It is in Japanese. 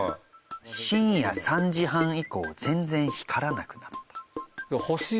「深夜３時半以降全然光らなくなった」。